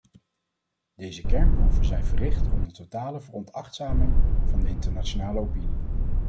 Deze kernproeven zijn verricht onder totale veronachtzaming van de internationale opinie.